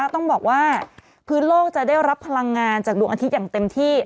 ต้องบอกว่าพื้นโลกจะได้รับพลังงานจากดวงอาทิตย์อย่างเต็มที่